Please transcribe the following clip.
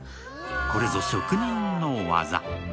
これぞ職人の技。